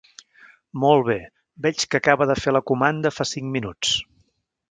Molt bé, veig que acaba de fer la comanda fa cinc minuts.